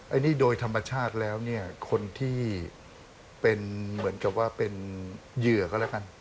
อันนี้โดยธรรมชาติแล้วเนี่ยคนที่เป็นเหมือนกับว่าเป็นเหยื่อก็แล้วกัน